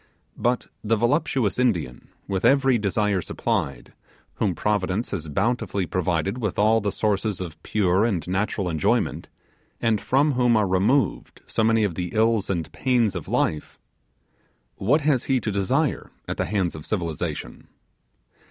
But the voluptuous Indian, with every desire supplied, whom Providence has bountifully provided with all the sources of pure and natural enjoyment, and from whom are removed so many of the ills and pains of life what has he to desire at the hands of Civilization?